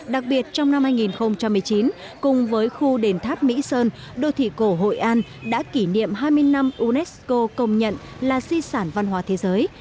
đặc biệt trong năm hai nghìn một mươi chín cùng với khu đền tháp mỹ sơn đô thị cổ hội an đã kỷ niệm hai mươi năm unesco công nhận là di sản văn hóa thế giới